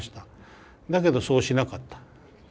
だけどそうしなかった。